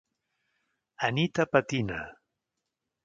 "Anita patina"...